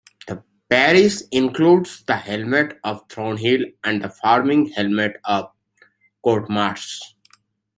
The parish includes the hamlet of Thornhill and the farming hamlet of Cotmarsh.